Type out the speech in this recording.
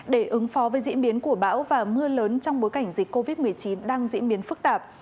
để ứng phó với diễn biến của bão và mưa lớn trong bối cảnh dịch covid một mươi chín đang diễn biến phức tạp